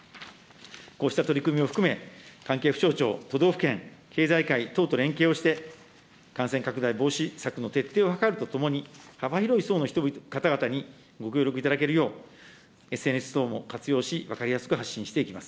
こうした取り組みを含め、関係省庁、都道府県、経済界等と連携をして感染拡大防止策の徹底を図るとともに、幅広い層の方々にご協力いただけるよう、ＳＮＳ等も活用し分かりやすく発信していきます。